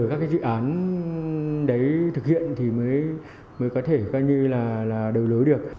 cái dự án đấy thực hiện thì mới có thể coi như là đầu nối được